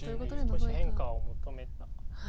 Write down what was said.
少し変化を求めた。